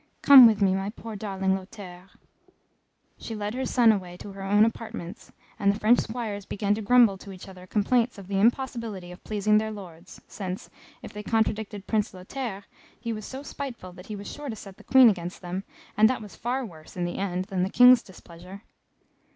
Come with me, my poor darling Lothaire." She led her son away to her own apartments, and the French Squires began to grumble to each other complaints of the impossibility of pleasing their Lords, since, if they contradicted Prince Lothaire, he was so spiteful that he was sure to set the Queen against them, and that was far worse in the end than the King's displeasure.